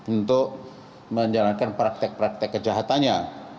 untuk menjalankan praktek praktek kejahatannya